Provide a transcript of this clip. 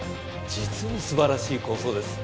実に素晴らしい構想です。